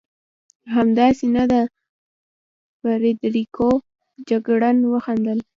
همداسې نه ده فرېدرېکو؟ جګړن وخندل.